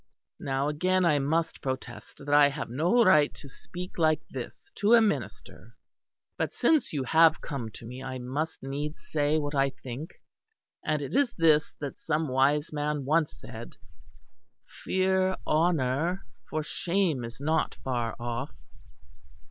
Now again I must protest that I have no right to speak like this to a minister, but since you have come to me I must needs say what I think; and it is this that some wise man once said, 'Fear honour, for shame is not far off.